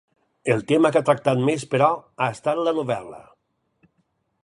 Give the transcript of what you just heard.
El tema que ha tractat més però, ha estat la novel·la.